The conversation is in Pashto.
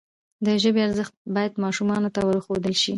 د ژبي ارزښت باید ماشومانو ته وروښودل سي.